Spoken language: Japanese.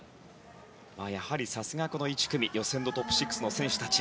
やはりさすがこの１組予選のトップ６の選手たち